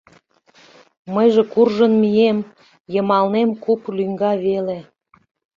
Мыйже куржын мием, йымалнем куп лӱҥга веле.